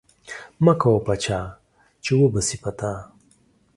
مکوه په چا چی و به سی په تا